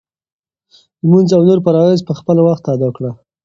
لمونځ او نور فرایض په خپل وخت ادا کړه.